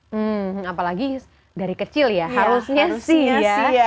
hmm apalagi dari kecil ya harusnya sih ya